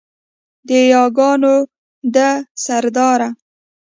د یاګانو ده سرداره